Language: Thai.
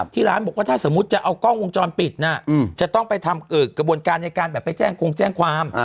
ที่ร้านบอกว่าถ้าสมมุติจะเอากล้องวงจรปิดจะต้องไปทำกระบวนการในการแบบไปแจ้งคงแจ้งความ